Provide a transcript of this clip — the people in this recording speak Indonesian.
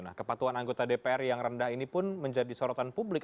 nah kepatuhan anggota dpr yang rendah ini pun menjadi sorotan publik